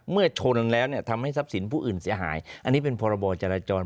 ชนแล้วเนี่ยทำให้ทรัพย์สินผู้อื่นเสียหายอันนี้เป็นพรบจราจร